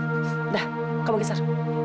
udah kamu keser